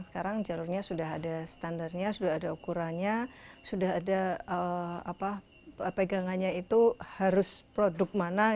sekarang jalurnya sudah ada standarnya sudah ada ukurannya sudah ada pegangannya itu harus produk mana